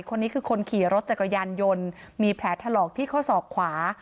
คนนี้คือคนขี่รถจักรยานยนต์มีแผลถลอกที่ข้อศอกขวา